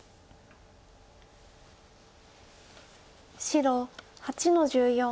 白８の十四。